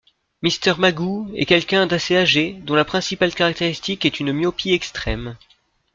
Mister Magoo est quelqu'un d'assez âgé, dont la principale caractéristique est une myopie extrême.